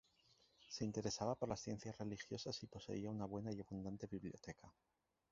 Se interesaba por las ciencias religiosas y poseía una buena y abundante biblioteca.